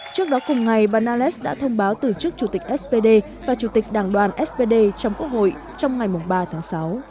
trước đó cùng ngày bà nales đã thông báo từ chức chủ tịch spd và chủ tịch đảng đoàn spd trong quốc hội trong ngày ba tháng sáu